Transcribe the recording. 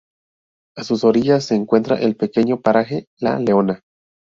A sus orillas se encuentra el pequeño paraje La Leona.